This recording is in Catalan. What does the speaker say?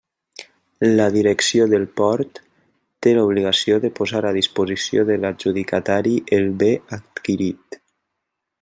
La Direcció del port té l'obligació de posar a disposició de l'adjudicatari el bé adquirit.